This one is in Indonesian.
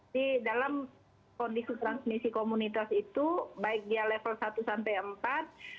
di dalam kondisi transmisi komunitas itu baik dia level satu sampai empat